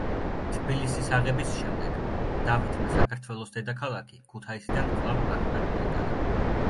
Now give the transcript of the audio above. თბილისის აღების შემდეგ დავითმა საქართველოს დედაქალაქი ქუთაისიდან კვლავ აქ გადმოიტანა.